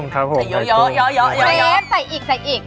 ครับผมเยอะเบซใส่อีก